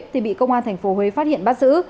thì bị công an tp huế phát hiện bắt giữ